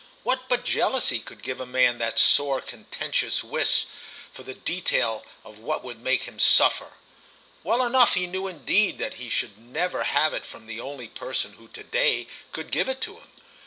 What but jealousy could give a man that sore contentious wish for the detail of what would make him suffer? Well enough he knew indeed that he should never have it from the only person who to day could give it to him.